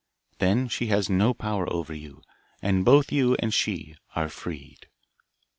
Then she has no power over you, and both you and she are freed.